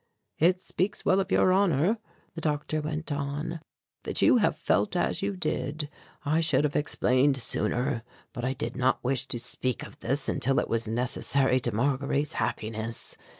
"It speaks well of your honour," the doctor went on, "that you have felt as you did. I should have explained sooner, but I did not wish to speak of this until it was necessary to Marguerite's happiness.